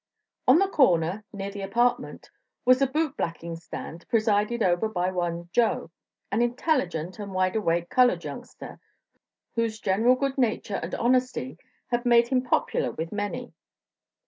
On the corner, near the apartment, was a boot blacking stand, presided over by one Joe, an intelligent and wide awake colored youngster, whose general good nature and honesty had made him popular with many.